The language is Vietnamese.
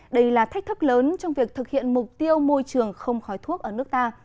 đây là thách thức lớn trong việc thực hiện mục tiêu môi trường không khói thuốc ở nước ta